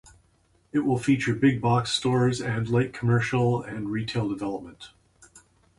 It will feature big box stores and light-commercial and retail development.